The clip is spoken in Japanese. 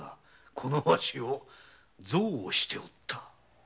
このわしを憎悪しておった。